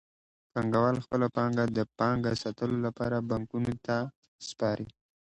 پانګوال خپله پانګه د ساتلو لپاره بانکونو ته سپاري